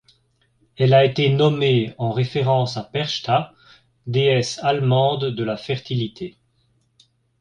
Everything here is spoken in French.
Elle a été nommée en référence à Perchta, déesse allemande de la fertilité.